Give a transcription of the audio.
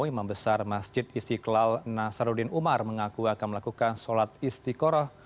imam besar masjid istiqlal nasaruddin umar mengaku akan melakukan sholat istiqoroh